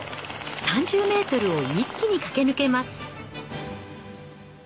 ３０メートルを一気に駆け抜けます。